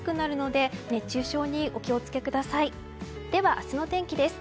では、明日の天気です。